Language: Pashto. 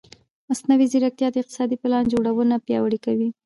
مصنوعي ځیرکتیا د اقتصادي پلان جوړونه پیاوړې کوي.